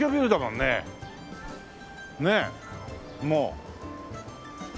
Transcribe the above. もう。